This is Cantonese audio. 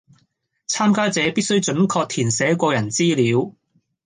參加者必須準確填寫個人資料